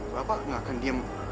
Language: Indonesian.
bapak nggak akan diem